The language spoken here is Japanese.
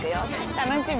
楽しみ？